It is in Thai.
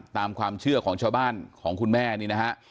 ตามความเชื่อของชาวบ้านของคุณแม่นี่นะฮะ